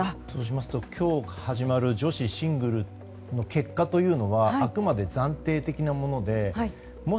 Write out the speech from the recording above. そうしますと今日始まる女子シングルの結果はあくまで暫定的なもので。